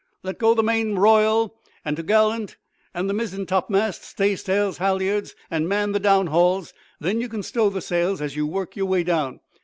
Let go the main royal and to'gallant and the mizzen topmast staysail halliards, and man the downhauls; then you can stow the sails, as you work your way down.